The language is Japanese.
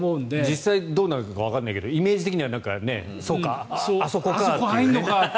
実際どうなるかわからないけどイメージ的にはそうか、あそこかって。